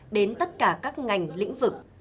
đến tất cả các ngành lĩnh vực